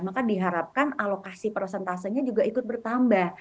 maka diharapkan alokasi prosentasenya juga ikut bertambah